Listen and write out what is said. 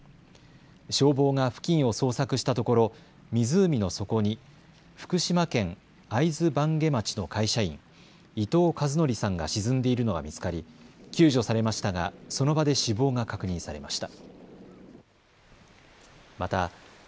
消防が付近を捜索したところ湖の底に福島県会津坂下町の会社員、伊藤一典さんが沈んでいるのが見つかり救助されましたがその場で死亡が確認されました。